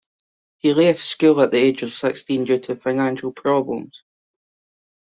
He left school at the age of sixteen due to financial problems.